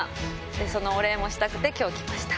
そのお礼もしたくて、きょう来ました。